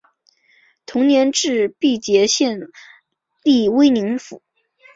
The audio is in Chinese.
同年置毕节县隶威宁府。